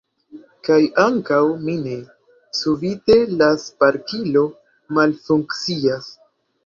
Kaj ankaŭ mi ne, subite la sparkilo malfunkcias.